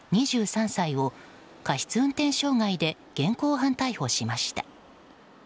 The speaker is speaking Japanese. ２３歳を過失運転傷害で現行犯逮捕しました。